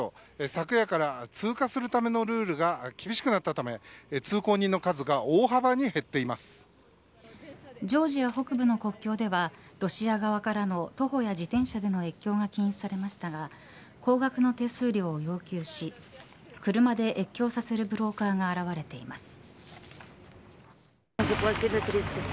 昨夜から通過するためのルールが厳しくなったため通行人の数がジョージア北部の国境ではロシア側からの徒歩や自転車での越境が禁止されましたが高額の手数料を要求し車で越境させるブローカーが現れています。